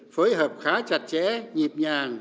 phối hợp khá chặt chẽ nhịp nhàng